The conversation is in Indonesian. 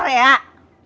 kamu gak suka sama sobri